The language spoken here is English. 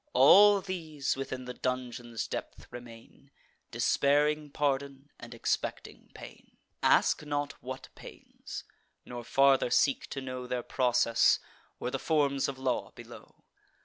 All these within the dungeon's depth remain, Despairing pardon, and expecting pain. Ask not what pains; nor farther seek to know Their process, or the forms of law below.